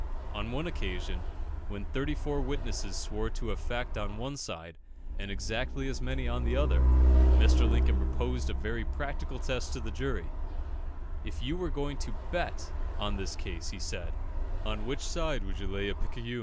On one occasion, when thirty four witnesses swore to a fact on one side, and exactly as many on the other, Mr. Lincoln proposed a very practical test to the jury "If you were going to bet on this case," he said, "on which side would you lay a picayune?"